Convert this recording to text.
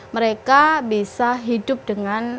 mereka bisa hidup dengan